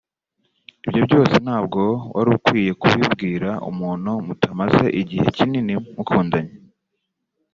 ibyo byose ntabwo warukwiye kubibwira umuntu mutamaze igihe kinini mukundanye